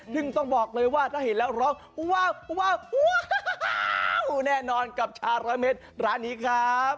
ซึ่งต้องบอกเลยว่าถ้าเห็นแล้วร้องว้าวแน่นอนกับชาร้อยเม็ดร้านนี้ครับ